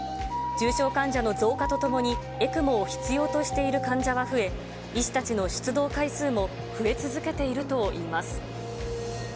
重症患者の増加とともに、ＥＣＭＯを必要としている患者が増え、医師たちの出動回数も増え続けているといいます。